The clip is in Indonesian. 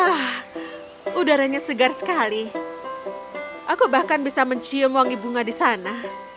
wah udaranya segar sekali aku bahkan bisa mencium wangi bunga di sana